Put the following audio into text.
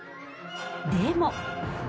でも！